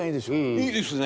いいですね。